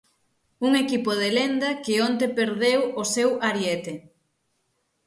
Un equipo de lenda que onte perdeu o seu ariete.